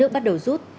bắt đầu rút